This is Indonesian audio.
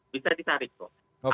bisa ditarik kok